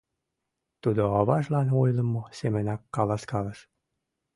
Тудо аважлан ойлымо семынак каласкалыш.